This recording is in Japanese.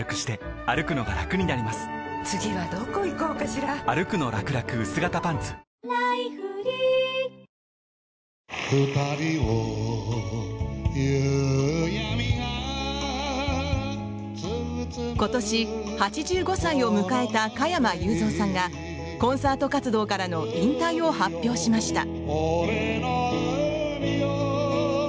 そして、今朝千葉県で通勤ラッシュのさなか今年８５歳を迎えた加山雄三さんがコンサート活動からの引退を発表しました。